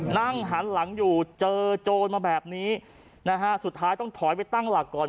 นั่งหันหลังอยู่เจอโจรมาแบบนี้นะฮะสุดท้ายต้องถอยไปตั้งหลักก่อน